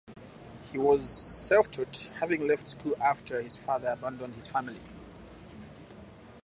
He was self-taught, having left school after his father abandoned his family.